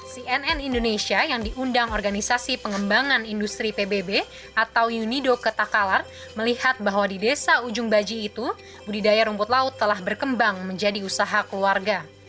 cnn indonesia yang diundang organisasi pengembangan industri pbb atau unido ke takalar melihat bahwa di desa ujung baji itu budidaya rumput laut telah berkembang menjadi usaha keluarga